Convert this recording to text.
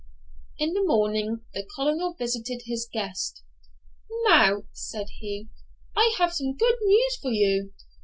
In the morning the Colonel visited his guest. 'Now,' said he, 'I have some good news for you.